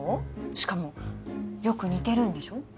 しかもよく似てるんでしょ？